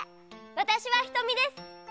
わたしはひとみです。